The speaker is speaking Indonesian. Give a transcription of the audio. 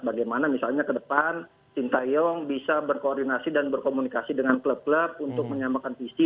bagaimana misalnya ke depan sintayong bisa berkoordinasi dan berkomunikasi dengan klub klub untuk menyamakan visi